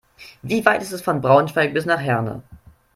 Wie weit ist es von Braunschweig bis nach Herne?